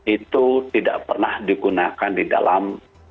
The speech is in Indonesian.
itu tidak pernah digunakan di dalam